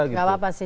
gak apa apa sih